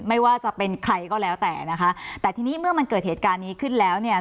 ไม่ว่าจะเป็นใครก็แล้วแต่นะคะแต่ทีนี้เมื่อมันเกิดเหตุการณ์นี้ขึ้นแล้วเนี่ย